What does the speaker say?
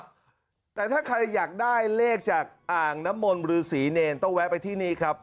ครับแต่ถ้าใครอยากได้เลขจากอ่างน้ำมนต์หรือศรีเนรต้องแวะไปที่นี่ครับ